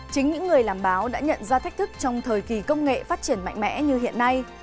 chính những người làm báo đã nhận ra thách thức trong thời kỳ công nghệ phát triển mạnh mẽ như hiện nay